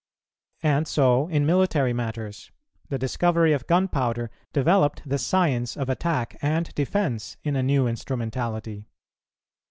And so in military matters, the discovery of gunpowder developed the science of attack and defence in a new instrumentality.